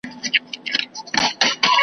څوک د میندو پر سینو باندي ساه ورکړي .